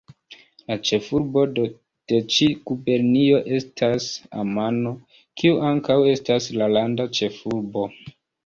La ĉefurbo de ĉi gubernio estas Amano, kiu ankaŭ estas la landa ĉefurbo.